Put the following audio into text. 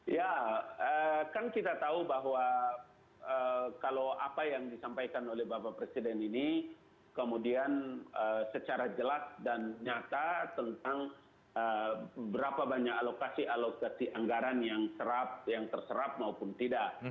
ya kan kita tahu bahwa kalau apa yang disampaikan oleh bapak presiden ini kemudian secara jelas dan nyata tentang berapa banyak alokasi alokasi anggaran yang terserap maupun tidak